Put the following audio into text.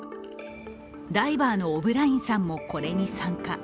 ダイバーのオブラインさんもこれに参加。